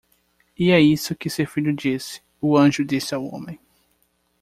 "E é isso que seu filho disse," o anjo disse ao homem.